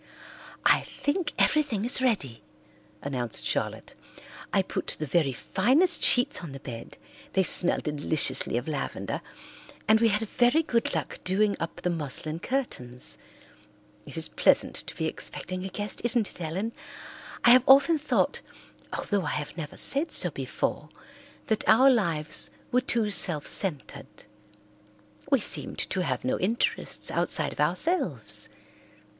"I think everything is ready," announced Charlotte. "I put the very finest sheets on the bed, they smell deliciously of lavender, and we had very good luck doing up the muslin curtains. It is pleasant to be expecting a guest, isn't it, Ellen? I have often thought, although I have never said so before, that our lives were too self centred. We seemed to have no interests outside of ourselves.